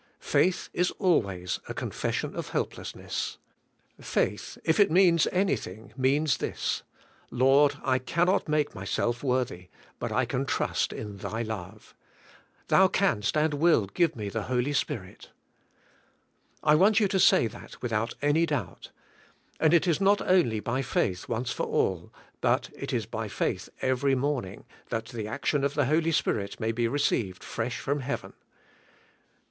Faith is always a confession of help lessness. E^aith, if it means an3^thing, means this: Lord, I cannot make myself worthy, but I can 106 THE SPIRITUAL LIFE. trust in Thy love. Thou canst and will g ive me the Holy Spirit. I want you to say that without any doubt. And it is not only by faith once for all, but it is by faith every morning , that the action of the Holy Spirit may be received fresh from heaven.